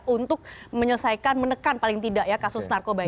untuk menyelesaikan menekan paling tidak ya kasus narkoba ini